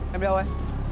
em đi đâu vậy